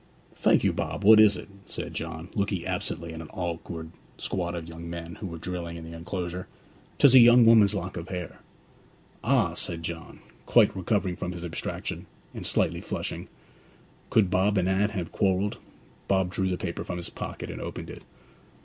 'Thank you, Bob; what is it?' said John, looking absently at an awkward squad of young men who were drilling in the enclosure. ''Tis a young woman's lock of hair.' 'Ah!' said John, quite recovering from his abstraction, and slightly flushing. Could Bob and Anne have quarrelled? Bob drew the paper from his pocket, and opened it.